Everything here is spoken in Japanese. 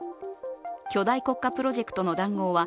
巨大国家プロジェクトの談合は